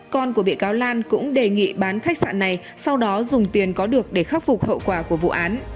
con của bị cáo lan cũng đề nghị bán khách sạn này sau đó dùng tiền có được để khắc phục hậu quả của vụ án